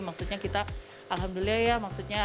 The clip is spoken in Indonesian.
maksudnya kita alhamdulillah ya maksudnya